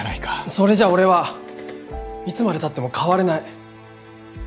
それじゃ俺はいつまで経っても変われない。